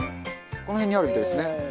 この辺にあるみたいですね。